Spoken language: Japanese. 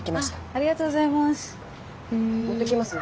ありがとうございます。